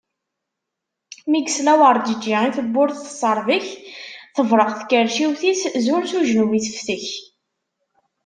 Mi yesla werǧeǧǧi i tewwurt teṣṣerbek, tebreq tkerciwt-is zun s ujenwi teftek.